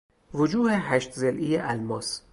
وجوه هشت ضلعی الماس